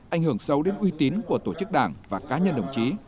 ảnh hưởng sâu đến uy tín của tổ chức đảng và cá nhân đồng chí